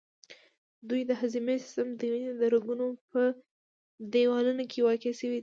دوی د هضمي سیستم، د وینې د رګونو په دیوالونو کې واقع شوي دي.